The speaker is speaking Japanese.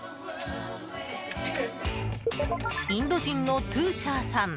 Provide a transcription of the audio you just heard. インド人のトゥーシャーさん